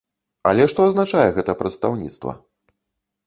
Але што азначае гэта прадстаўніцтва?